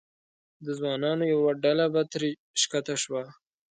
د ځوانانو یوه ډله به ترې ښکته شوه.